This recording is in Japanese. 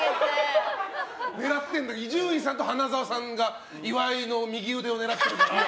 狙ってんだ伊集院さんと花澤さんが岩井の右腕を狙ってるから。